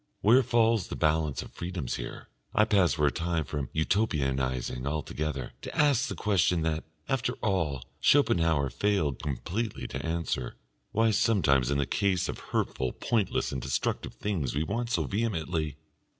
Where falls the balance of freedoms here? I pass for a time from Utopianising altogether, to ask the question that, after all, Schopenhauer failed completely to answer, why sometimes in the case of hurtful, pointless, and destructive things we want so vehemently....